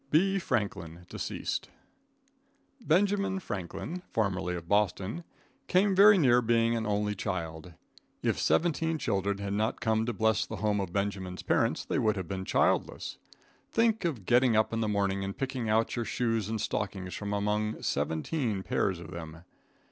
B. Franklin, Deceased. Benjamin Franklin, formerly of Boston, came very near being an only child. If seventeen children had not come to bless the home of Benjamin's parents, they would have been childless. Think of getting up in the morning and picking out your shoes and stockings from among seventeen pairs of them.